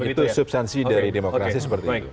itu substansi dari demokrasi seperti itu